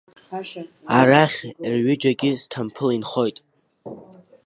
Арахь, рҩыџьагьы Сҭампыл инхоит.